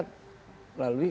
teruskan di surat